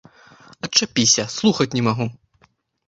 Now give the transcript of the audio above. Адчапіся, слухаць не магу!